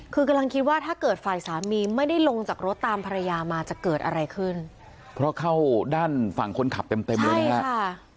คือกำลังคิดว่าถ้าเกิดฝ่ายสามีไม่ได้ลงจากรถตามภรรยามาจะเกิดอะไรขึ้นเพราะเข้าด้านฝั่งคนขับเต็มเต็มเลยนะฮะ